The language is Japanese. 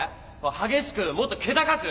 激しくもっと気高く。